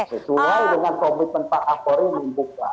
sesuai dengan komitmen pak kapolri yang dibuka